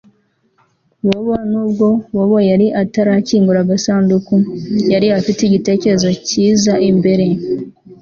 Bobo Nubwo Bobo yari atarakingura agasanduku yari afite igitekerezo cyiza imbere